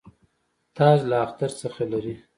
تاج له اختر څخه لري.